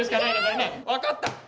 わかった！